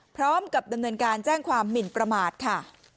พร้อมกับดำเนินการแจ้งความหมินประมาทค่ะ